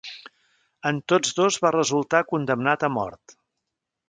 En tots dos va resultar condemnat a mort.